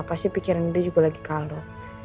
pasti pikiran dia juga lagi kalu